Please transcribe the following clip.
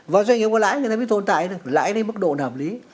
và doanh nghiệp có lãi người ta mới tồn tại được lãi đến mức độ hợp lý